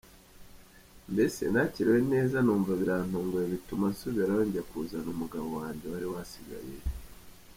Mbese nakiriwe neza numva birantunguye bituma nsubirayo njya kuzana umugabo wanjye wari wasigayeyo.